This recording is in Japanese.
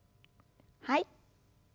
はい。